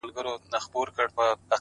شاعر او شاعره ـ